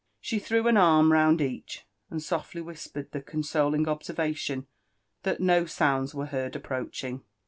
She threw an arm round each, and softly whispered the consoling observation that no sounds were heard approaching.